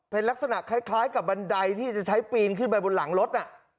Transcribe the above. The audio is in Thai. เป็นลักษณะคล้ายกับบันไดที่จะใช้ปีนขึ้นไปบนหลังรถน่ะ